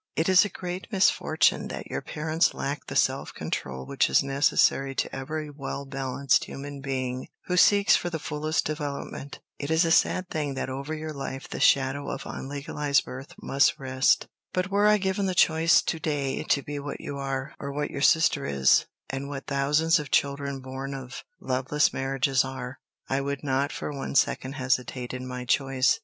It is a great misfortune that your parents lacked the self control which is necessary to every well balanced human being who seeks for the fullest development. It is a sad thing that over your life this shadow of unlegalized birth must rest. But were I given the choice to day to be what you are, or what your sister is, and what thousands of children born of loveless marriages are, I would not for one second hesitate in my choice.